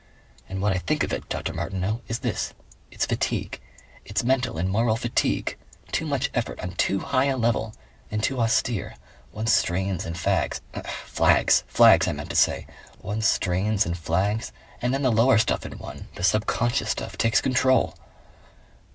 "And what I think of it, Dr. Martineau, is this: it's fatigue. It's mental and moral fatigue. Too much effort. On too high a level. And too austere. One strains and fags. FLAGS! 'Flags' I meant to say. One strains and flags and then the lower stuff in one, the subconscious stuff, takes control."